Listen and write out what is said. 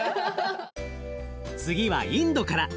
次はインドから。